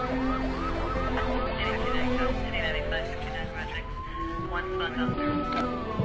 はい。